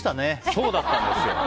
そうだったんですよ。